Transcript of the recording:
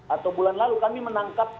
atau bulan lalu kami menangkap